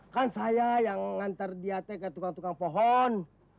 kan saya yang mengantar dia ke tukang tukang pohon